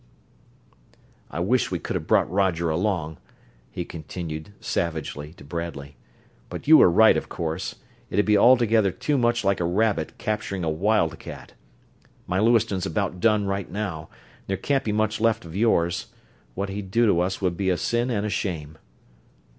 "I wish we could have brought Roger along," he continued, savagely, to Bradley. "But you were right, of course it'd be altogether too much like a rabbit capturing a wildcat. My Lewiston's about done right now, and there can't be much left of yours what he'd do to us would be a sin and a shame."